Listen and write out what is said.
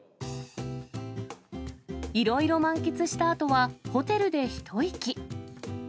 いろいろ満喫したあとは、ホテルで一息。